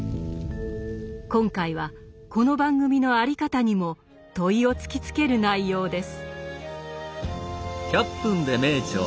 今回はこの番組の在り方にも問いを突きつける内容です。